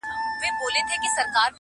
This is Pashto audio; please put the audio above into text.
مندوشاه چي هم هوښیار هم پهلوان وو؛